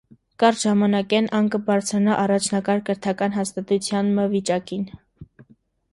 Կարճ ժամանակէն ան կը բարձրանայ առաջնակարգ կրթական հաստատութեան մը վիճակին։